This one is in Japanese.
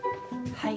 はい。